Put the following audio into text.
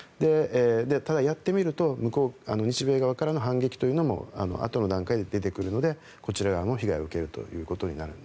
ただ、やってみると日米側からの反撃というのも後の段階で出てくるので中国側も被害を受けると。